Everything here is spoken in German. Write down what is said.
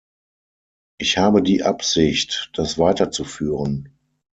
Ich habe die Absicht, das weiterzuführen.